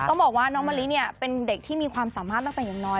ต้องบอกว่าน้องมะลิเนี่ยเป็นเด็กที่มีความสามารถตั้งแต่อย่างน้อย